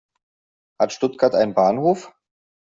Hat Stuttgart einen Bahnhof?